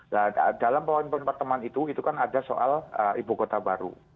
nah dalam pertemuan itu kan ada soal ibu kota baru